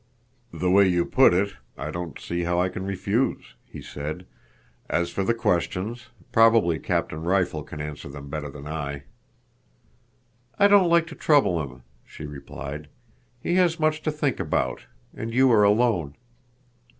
"The way you put it, I don't see how I can refuse," he said. "As for the questions—probably Captain Rifle can answer them better than I." "I don't like to trouble him," she replied. "He has much to think about. And you are alone."